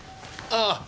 ああ！